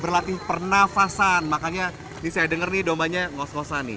berlatih pernafasan makanya ini saya denger nih dombanya ngos ngosan nih